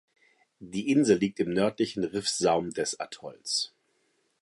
Die Insel liegt im nördlichen Riffsaum des Atolls.